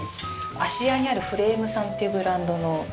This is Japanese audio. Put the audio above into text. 芦屋にあるフレイムさんっていうブランドの。